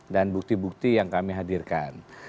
dan bukti bukti yang kami hadirkan